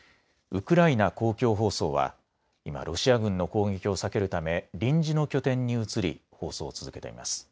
ウクライナ公共放送は今、ロシア軍の攻撃を避けるため臨時の拠点に移り放送を続けています。